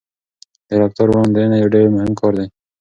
د رفتار وړاندوينه یو ډېر مهم کار دی.